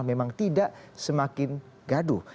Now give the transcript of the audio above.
memang tidak semakin gaduh